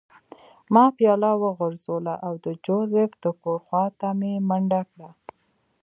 ما پیاله وغورځوله او د جوزف د کور خوا ته مې منډه کړه